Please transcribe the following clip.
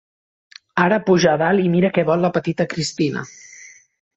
Ara puja dalt i mira què vol la petita Christina.